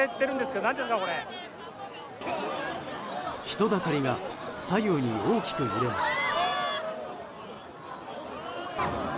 人だかりが左右に大きく揺れます。